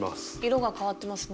色が変わってますね。